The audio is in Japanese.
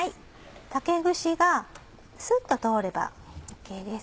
竹串がスッと通ればＯＫです。